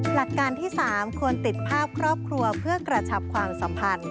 หลักการที่๓ควรติดภาพครอบครัวเพื่อกระชับความสัมพันธ์